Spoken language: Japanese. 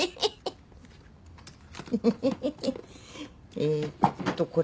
えーっとこれ。